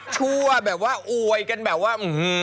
ชั่วแบบว่าอวยกันแบบว่า